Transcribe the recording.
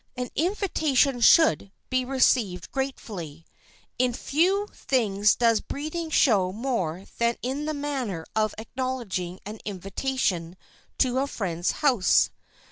An invitation should be received gratefully. In few things does breeding show more than in the manner of acknowledging an invitation to a friend's house.